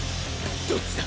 どっちだ？